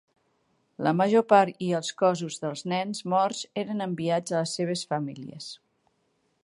La major part i els cossos dels nens morts eren enviats a les seves famílies.